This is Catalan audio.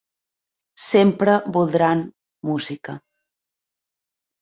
Sempre voldran música.